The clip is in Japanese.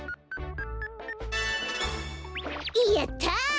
やった！